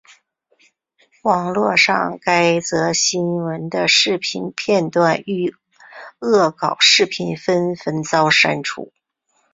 网路上该则新闻的视频片段与恶搞视频纷纷遭删除。